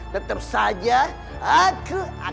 tetap saja aku akan